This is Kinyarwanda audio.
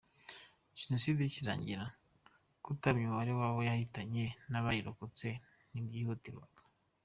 Jenoside ikirangira, kutamenya umubare w’abo yahitanye n’abayirokotse ntibyihutirwaga.